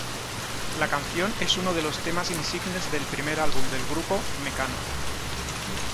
La canción es uno de los temas insignes del primer álbum del grupo, "Mecano".